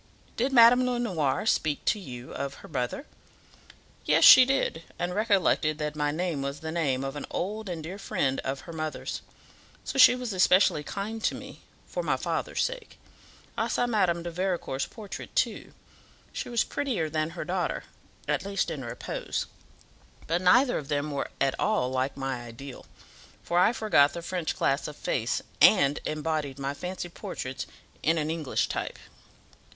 Did Madame Lenoir speak to you of her mother?" "Yes, she did, and recollected that my name was the name of an old and dear friend of her mother's; so she was especially kind to me for my father's sake. I saw Madame de Vericourt's portrait, too. She was prettier than her daughter, at least in repose; but neither of them were at all like my ideal; for I forgot the French class of face, and embodied my fancy portraits in an English type."